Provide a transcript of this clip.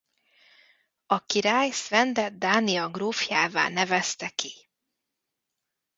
A király Svendet Dánia grófjává nevezte ki.